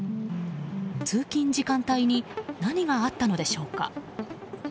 通勤時間帯に何があったのでしょうか。